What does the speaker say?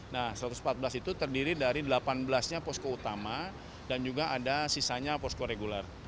nah satu ratus empat belas itu terdiri dari delapan belas nya posko utama dan juga ada sisanya posko regular